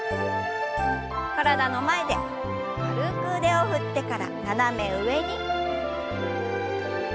体の前で軽く腕を振ってから斜め上に。